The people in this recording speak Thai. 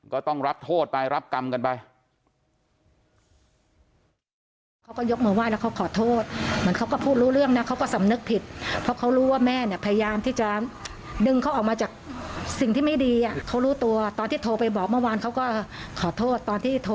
ก็ต้องรับโทษไปรับกรรมกันไป